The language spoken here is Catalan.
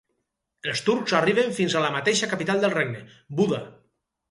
Els turcs arriben fins a la mateixa capital del regne, Buda.